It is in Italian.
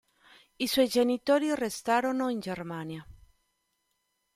I suoi genitori restarono in Germania.